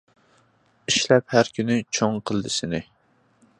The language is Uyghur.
ئىشلەپ ھەر كۈنى، چوڭ قىلدى سېنى.